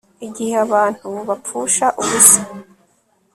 Igihe abantu bapfusha ubusa